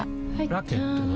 ラケットは？